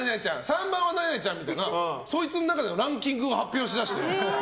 ３番は何々ちゃんみたいなそいつの中のランキングを発表しだして。